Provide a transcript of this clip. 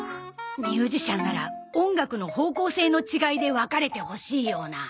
ミュージシャンなら音楽の方向性の違いで別れてほしいような。